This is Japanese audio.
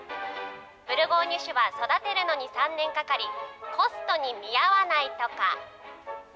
ブルゴーニュ種は育てるのに３年かかり、コストに見合わないとか。